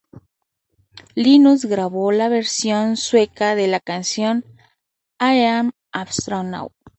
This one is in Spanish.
Linus grabó la versión sueca de la canción "I Am An Astronaut".